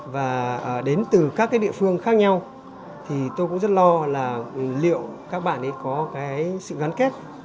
và đến từ các cái địa phương khác nhau thì tôi cũng rất lo là liệu các bạn ấy có cái sự gắn kết